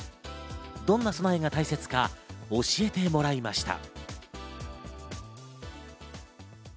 どんな備えが大切か教えてもらいました。